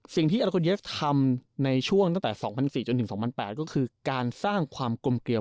สิ่งที่ทำในช่วงตั้งแต่จนถึงคือการสร้างความกลมเกลียว